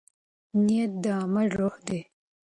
نیت د عمل روح دی.